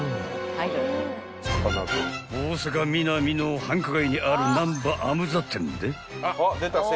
［大阪ミナミの繁華街にある難波アムザ店で］